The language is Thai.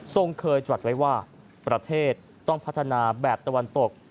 เคยตรัสไว้ว่าประเทศต้องพัฒนาแบบตะวันตก